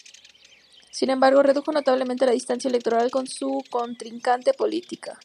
Sin embargo, redujo notablemente la distancia electoral con su contrincante política.